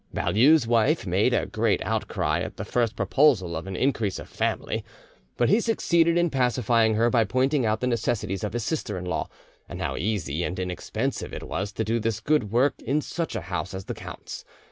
Baulieu's wife made a great outcry at the first proposal of an increase of family; but he succeeded in pacifying her by pointing out the necessities of his sister in law, and how easy and inexpensive it was to do this good work in such a house as the count's.